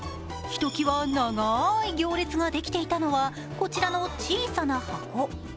ひときわ長い行列ができていたのはこちらの小さな箱。